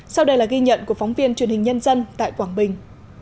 sau đây là ghi nhận của phóng viên truyền hình nhân dân tại quảng bình